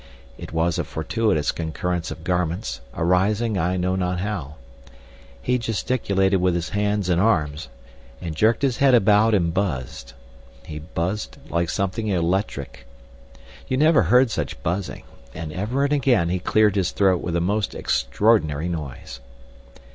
It was a fortuitous concurrence of garments, arising I know not how. He gesticulated with his hands and arms, and jerked his head about and buzzed. He buzzed like something electric. You never heard such buzzing. And ever and again he cleared his throat with a most extraordinary noise.